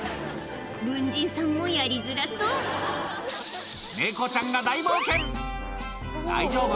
軍人さんもやりづらそう猫ちゃんが大冒険大丈夫？